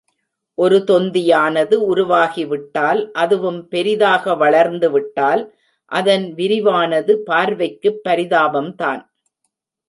ஒரு தொந்தியானது உருவாகி விட்டால், அதுவும் பெரிதாக வளர்ந்து விட்டால், அதன் விரிவானது பார்வைக்குப் பரிதாபம் தான்.